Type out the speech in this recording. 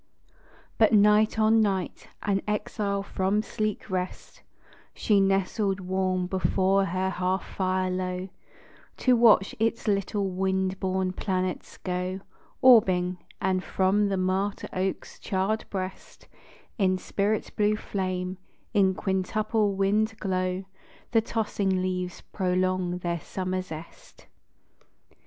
But night on night, an exile from sleek rest, She nestled warm before her hearth fire low, To watch its little wind born planets go Orbing; and from the martyr oak's charred breast, In spirit blue flame, in quintuple wild glow, The tossing leaves prolong their summer zest.